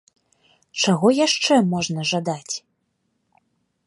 Чаго яшчэ можна жадаць?